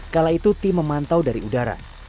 kala itu tim memantau dari udara